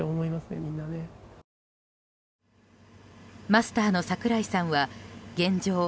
マスターの櫻井さんは現状